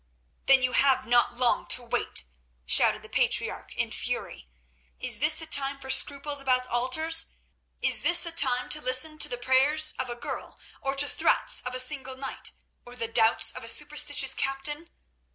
"Then you have not long to wait," shouted the patriarch in fury. "Is this a time for scruples about altars? Is this a time to listen to the prayers of a girl or to threats of a single knight, or the doubts of a superstitious captain?